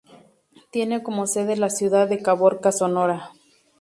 Tiene como sede la ciudad de Caborca, Sonora.